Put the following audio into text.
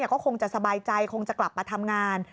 ก็คงจะสบายใจคงจะกลับมาทำงาน